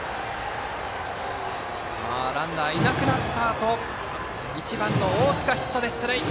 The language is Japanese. ランナーいなくなったあと１番の大塚がヒットで出塁。